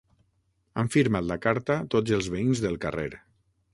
Han firmat la carta tots els veïns del carrer.